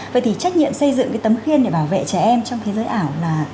vậy thì trách nhiệm xây dựng cái tấm khiên để bảo vệ trẻ em trong thế giới ảo là